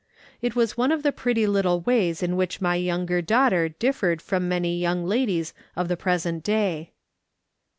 It was one of the pretty little ways in which my younger daughter differed from many young ladies of the pre sent day.